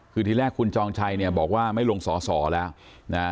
คือทีแรกคุณจองชัยเนี่ยบอกว่าไม่ลงสอสอแล้วนะ